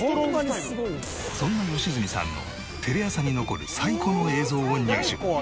そんな良純さんのテレ朝に残る最古の映像を入手。